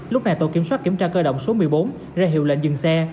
lúc này tổ kiểm soát kiểm tra cơ động số một mươi bốn ra hiệu lệnh dừng xe